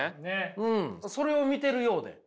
うんそれを見てるようで。